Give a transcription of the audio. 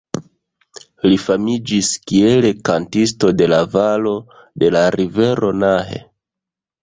Li famiĝis kiel „kantisto de la valo de la rivero Nahe“.